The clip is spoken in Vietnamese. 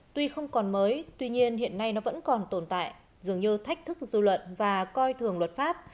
tuy không còn mới tuy nhiên hiện nay nó vẫn còn tồn tại dường như thách thức dư luận và coi thường luật pháp